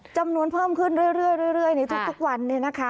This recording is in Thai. จำนวนเพิ่มขึ้นเรื่อยในทุกวันเนี่ยนะคะ